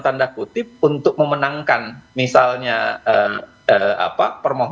yang orang ini tapi tentu ada yang rampant seluruh negara setengah grup asteroid di